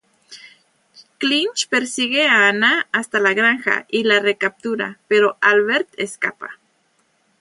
Clinch persigue a Anna hasta la granja y la recaptura, pero Albert escapa.